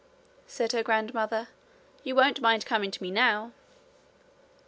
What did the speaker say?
said her grandmother, 'you won't mind coming to me now?'